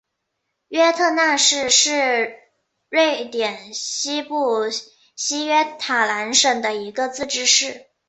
约特讷市是瑞典西部西约塔兰省的一个自治市。